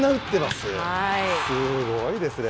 すごいですね。